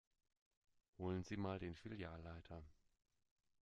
Holen Sie mal den Filialleiter.